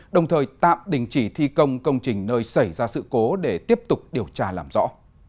đồng thời tạm đình chỉ thi công công trình nơi xảy ra sự cố để tiếp tục điều tra làm rõ